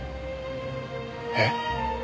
えっ？